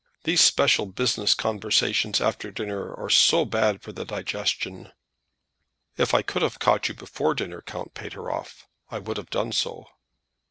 These special business conversations after dinner are so bad for the digestion!" "If I could have caught you before dinner, Count Pateroff, I would have done so."